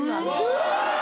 うわ！